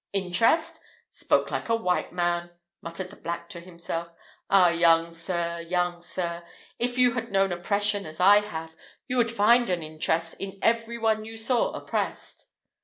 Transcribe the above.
"Interest! Spoke like a white man!" muttered the black to himself. "Ah, young sir, young sir! If you had known oppression as I have, you would find an interest in every one you saw oppressed."